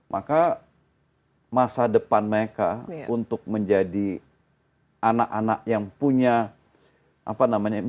maka masa depan mereka untuk menjadi anak anak yang punya mimpi seperti anak anak yang lain